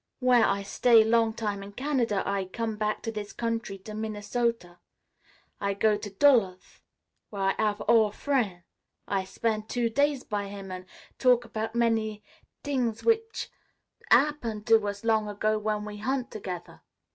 "W'en I stay long time in Canada I come back to this country to Minnesota. I go to Duluth, w'ere I hav' ol' frien'. I spen' two days by him an' talk about many t'ings w'ich 'appen to us long ago w'en we hunt together.